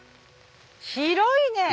広いね！